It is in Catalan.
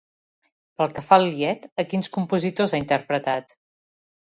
Pel que fa al lied, a quins compositors ha interpretat?